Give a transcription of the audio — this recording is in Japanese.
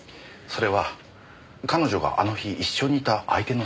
それは彼女があの日一緒にいた相手のせいなんだ。